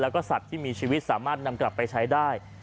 แล้วก็สัตว์ที่มีชีวิตสามารถนำกลับไปใช้ได้